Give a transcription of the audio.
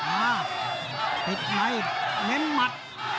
อ่าติดใหม่เหม็นหมัด